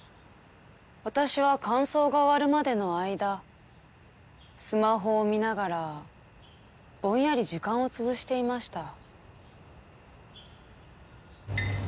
私は乾燥が終わるまでの間スマホを見ながらぼんやり時間を潰していました。